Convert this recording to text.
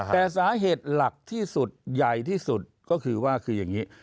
แต่สาเหตุหลักที่สุดใหญ่ที่สุดก็คือว่าคืออย่างนี้